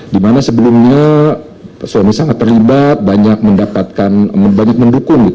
dimana sebelumnya suami sangat terlibat banyak mendapatkan banyak mendukung